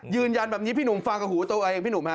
ยืนยันแบบนี้พี่หนุ่มฟังกับหูตัวเองพี่หนุ่มฮะ